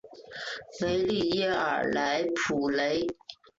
维利耶尔莱普雷。